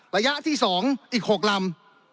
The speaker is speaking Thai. ระยะที่๒อีก๖ลำ